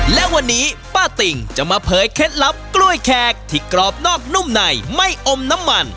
และวันนี้ป้าติ่งจะมาเผยเคล็ดลับกล้วยแขกที่กรอบนอกนุ่มในไม่อมน้ำมัน